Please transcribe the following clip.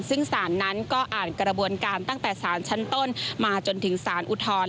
ซึ่งสารนั้นก็อ่านกระบวนการตั้งแต่สารชั้นต้นมาจนถึงสารอุทธรณ์